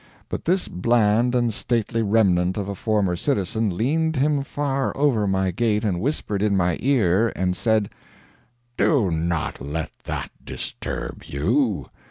But this bland and stately remnant of a former citizen leaned him far over my gate and whispered in my ear, and said: "Do not let that disturb you.